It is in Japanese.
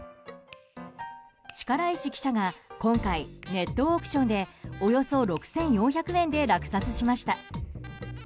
力石記者が今回、ネットオークションでおよそ６４００円で落札しました。